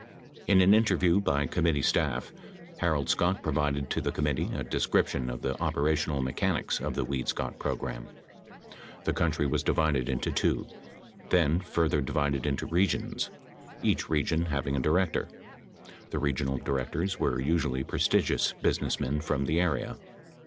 In an interview by committee staff, Harold Scott provided to the committee a description of the operational mechanics of the Weed Scott program. The country was divided into two — then further di vided into regions — each region having a director. The regional direc tors were usually prestigious businessmen from the area.